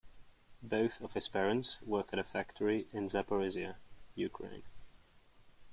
Both of his parents work at a factory in Zaporizhya, Ukraine.